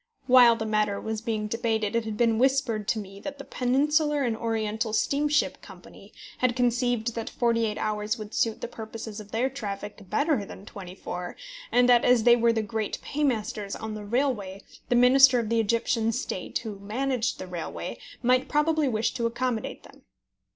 While the matter was being debated, it had been whispered to me that the Peninsular and Oriental Steamship Company had conceived that forty eight hours would suit the purposes of their traffic better than twenty four, and that, as they were the great paymasters on the railway, the Minister of the Egyptian State, who managed the railway, might probably wish to accommodate them.